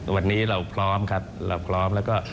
วันนี้เราพร้อมครับเราพร้อมแล้วก็